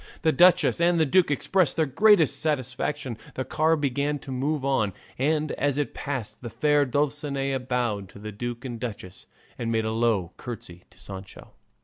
The duchess and the duke expressed the greatest satisfaction, the car began to move on, and as it passed the fair Dulcinea bowed to the duke and duchess and made a low curtsey to Sancho.